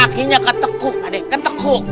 kakinya katekuk adek katekuk